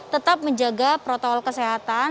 tetap menjaga protokol kesehatan